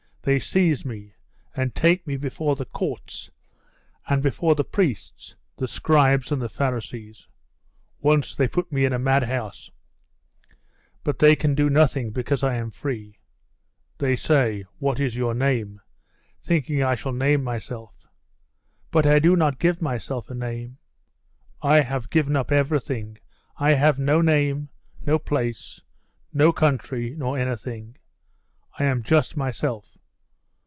They seize me, and take me before the courts and before the priests, the Scribes and the Pharisees. Once they put me into a madhouse; but they can do nothing because I am free. They say, 'What is your name?' thinking I shall name myself. But I do not give myself a name. I have given up everything: I have no name, no place, no country, nor anything. I am just myself.